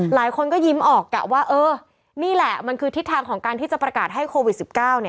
หลายคนก็ยิ้มออกกะว่าเออนี่แหละมันคือทิศทางของการที่จะประกาศให้โควิด๑๙